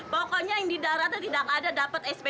pokoknya yang di daratan tidak ada dapat sp tiga